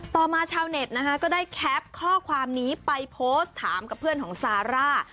ต่อมาชาวเน็ตนะคะก็ได้แคปข้อความนี้ไปโพสต์ถามกับเพื่อนของซาร่า